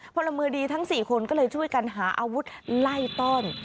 พลเมืองดีทั้ง๔คนก็เลยช่วยกันหาอาวุธไล่ต้อน